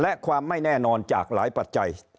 และความไม่แน่นอนจากหลายปัจจัย